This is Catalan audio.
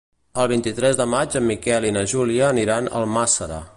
El vint-i-tres de maig en Miquel i na Júlia aniran a Almàssera.